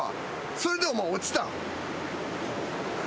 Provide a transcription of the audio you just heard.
それでお前落ちたん？